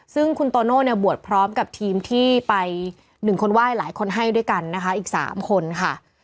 ซึ่งคุณโตโน่เนี่ยบวชพร้อมกับทีมที่ไป๑คนไหว้หลายคนให้ด้วยกันนะคะอีก๓คนค่ะ